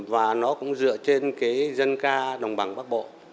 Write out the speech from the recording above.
và nó cũng dựa trên cái dân ca đồng bằng bắc bộ